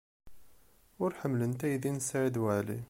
Ur ḥemmlent aydi n Saɛid Waɛli.